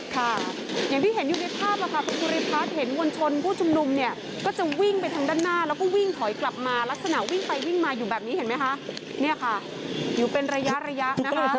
ค่ะอย่างที่เห็นอยู่ในภาพก็คุณภูริภาคเห็นวชลผู้ช่วงนุมเนี่ยแล้วก็จะวิ่งไปด้านหน้าแล้วก็ท๋อยกลับมาก็ควียยยยกลับมาอยู่แบบนี้เห็นไหมครับยัง้าค่ะอยู่เป็นระยะนะคะ